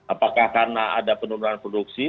apakah karena ada penurunan produksi